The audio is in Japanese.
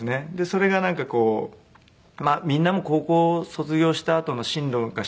それがなんかこうみんなも高校卒業したあとの進路が心配になったり。